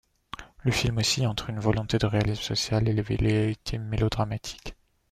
Le film oscille entre une volonté de réalisme social et des velléités mélodramatiques.